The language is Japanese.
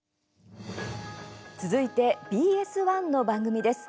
続いてＢＳ１の番組です。